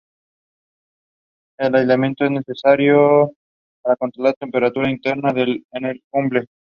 El aislamiento es necesario controlar la temperatura interna en el Hubble.